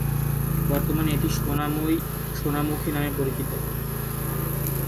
বর্তমানে এটি সোনামুই/সোনামুখী নামে পরিচিত।